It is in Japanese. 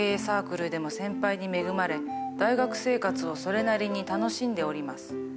サークルでも先輩に恵まれ大学生活をそれなりに楽しんでおります。